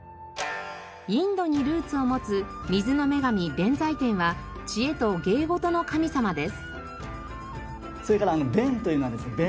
インドにルーツを持つ水の女神弁財天は知恵と芸事の神様です。